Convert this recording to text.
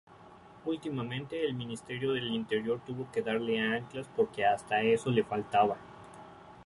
Últimamente el Ministerio del Interior tuvo que darle anclas porque hasta eso le faltaba.